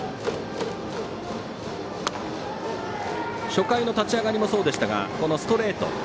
初回の立ち上がりもそうでしたがこのストレート